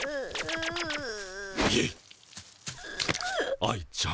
愛ちゃん。